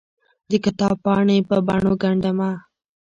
دکتاب پاڼې په بڼو ګنډ مه